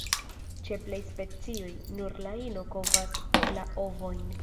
Ĉe plej specioj, nur la ino kovas la ovojn.